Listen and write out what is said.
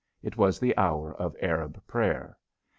It was the hour of Arab prayer.